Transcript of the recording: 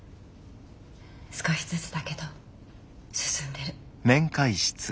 少しずつだけど進んでる。